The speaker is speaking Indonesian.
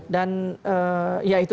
dan ya itu